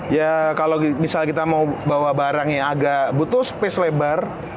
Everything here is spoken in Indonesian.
ya kalau misal kita mau bawa barang yang agak butuh space lebar